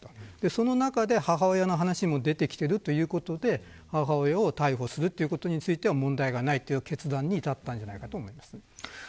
その中で母親の話も出てきているということで母親を逮捕することについては問題ないという決断に至ったのではないかと思います。